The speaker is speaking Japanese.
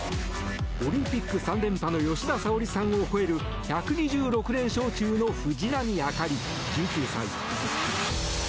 オリンピック３連覇の吉田沙保里さんを超える１２６連勝中の藤波朱理、１９歳。